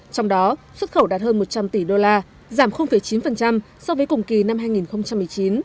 trong đó xuất khẩu đạt hơn một trăm linh tỷ đô la giảm chín so với cùng kỳ năm hai nghìn một mươi chín